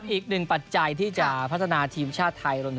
อีกหนึ่งปัจจัยที่จะพัฒนาทีมชาติไทย